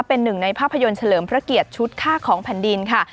เป็นหนึ่งในภาพยนตร์เฉลิมพระเกียรติชุดค่าของแผ่นดินค่ะ